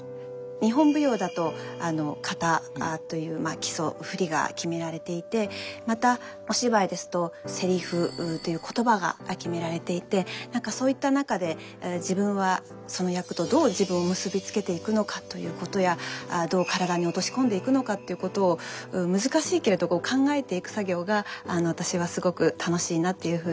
日本舞踊だと型という基礎振りが決められていてまたお芝居ですとセリフという言葉が決められていて何かそういった中で自分はその役とどう自分を結びつけていくのかということやどう体に落とし込んでいくのかっていうことを難しいけれど考えていく作業が私はすごく楽しいなっていうふうに感じます。